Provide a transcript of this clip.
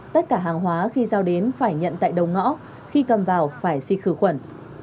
tất cả hàng hóa khi giao đến phải nhận tại đầu ngõ khi cầm vào phải xin khử khuẩn